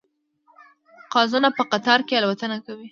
قازونه په قطار کې الوتنه کوي